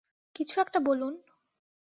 কিছু একটা বলুন।